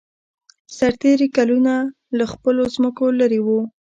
سرتېري کلونه له خپلو ځمکو لېرې وو